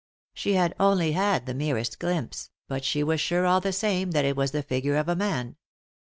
She had only had the merest glimpse, but she was sure, ail the same, that it was the figure of a man.